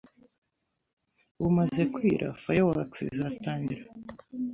Bumaze kwira, fireworks izatangira.